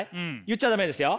言っちゃ駄目ですよ。